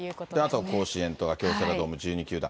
あと甲子園とか京セラドーム、１２球団。